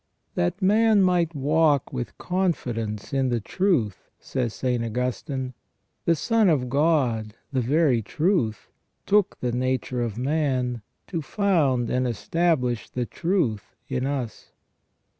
" That man might walk with con fidence in the truth," says St. Augustine, " the Son of God, the very truth, took the nature of man, to found and establish the truth in us."